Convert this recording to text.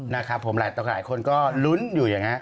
นะครับคำนั้นก็เลยหลุ้นอยู่อย่างนี้